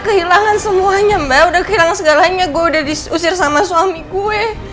kehilangan semuanya mbak udah kehilangan segalanya gue udah diusir sama suami gue